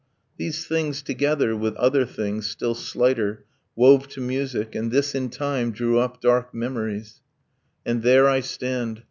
.. These things, together, With other things, still slighter, wove to music, And this in time drew up dark memories; And there I stand.